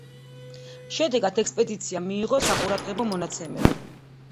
შედეგად ექსპედიციამ მიიღო საყურადღებო მონაცემები.